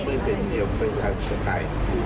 ไม่เป็นเรื่องเป็นความผิดเงิน